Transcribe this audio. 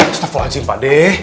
astagfirullahaladzim pak deh